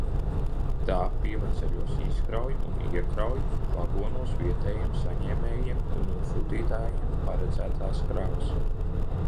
Tā pievedceļos izkrauj un iekrauj vagonos vietējiem saņēmējiem un nosūtītājiem paredzētās kravas.